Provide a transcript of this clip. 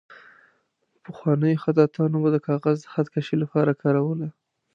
پخوانیو خطاطانو به د کاغذ د خط کشۍ لپاره کاروله.